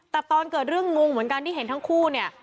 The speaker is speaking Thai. แต่ตอนเกิดเรื่องงงเหมือนกันที่เห็นทั้งคู่เนี่ย